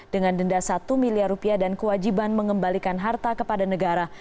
dengan denda satu miliar rupiah dan kewajiban mengembalikan harta kepada negara